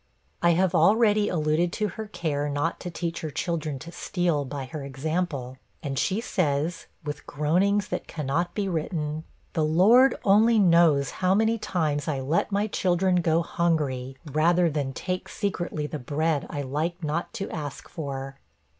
I have already alluded to her care not to teach her children to steal, by her example; and she says, with groanings that cannot be written, 'The Lord only knows how many times I let my children go hungry, rather than take secretly the bread I liked not to ask for.'